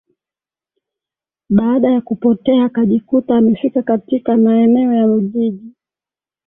Baada ya kupotea akajikuta amefika katika naeneo ya ujiji